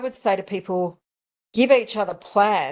tetapi saya akan memberikan kepada orang lain